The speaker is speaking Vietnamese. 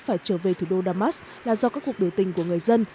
phải trở về thủ đô damas là do các cuộc biểu tình của người dân